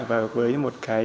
và với một tổ chức